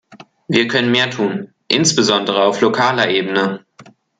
Wir können mehr tun, insbesondere auf lokaler Ebene.